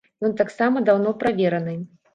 Ён таксама даўно правераны.